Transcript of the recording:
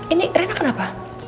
ini rena kenapa